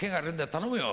頼むよ！